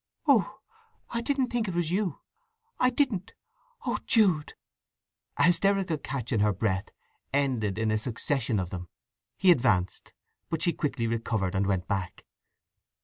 "Oh—I didn't think it was you! I didn't—Oh, Jude!" A hysterical catch in her breath ended in a succession of them. He advanced, but she quickly recovered and went back.